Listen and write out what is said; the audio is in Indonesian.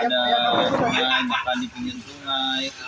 ada suyam makanan di pinggir sungai